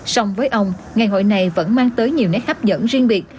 xong với ông ngày hội này vẫn mang tới nhiều nét hấp dẫn riêng biệt